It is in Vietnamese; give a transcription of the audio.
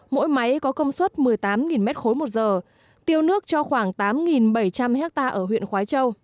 mỗi máy có công suất một mươi tám m ba một giờ tiêu nước cho khoảng tám bảy trăm linh hectare ở huyện khói châu